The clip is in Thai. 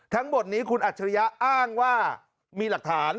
ทั้งหมดนี้คุณอัจฉริยะอ้างว่ามีหลักฐาน